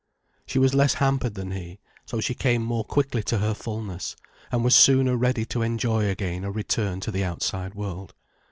She was less hampered than he, so she came more quickly to her fulness, and was sooner ready to enjoy again a return to the outside world.